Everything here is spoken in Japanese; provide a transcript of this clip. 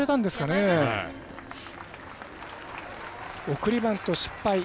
送りバント失敗。